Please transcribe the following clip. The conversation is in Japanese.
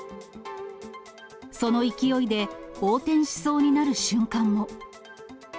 その勢いで横転しそうになる瞬間も。